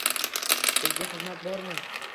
Bizga xizmat bormi?